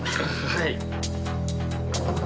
はい。